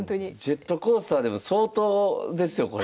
ジェットコースターでも相当ですよこれ。